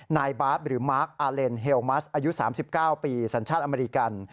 นายบาสหรือมาร์คอาเลนเฮลมัสอายุ๓๙ปีสัญชาติอเมริกัน